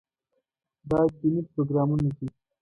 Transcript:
دا دیني پروګرامونه دي.